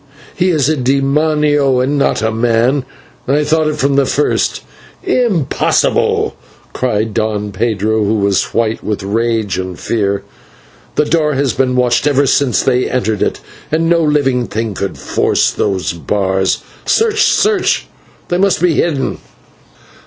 He is a /demonio/ and not a man; I thought it from the first." "Impossible!" cried Don Pedro, who was white with rage and fear. "The door has been watched ever since they entered it, and no living thing could force those bars. Search, search, they must be hidden."